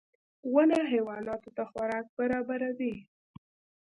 • ونه حیواناتو ته خوراک برابروي.